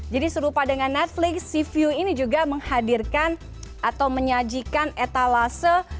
jadi serupa dengan netflix si vue ini juga menghadirkan atau menyajikan etalase